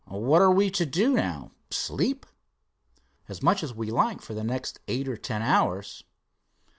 "What are we to do now sleep?" "As much as we like for the next eight or ten hours."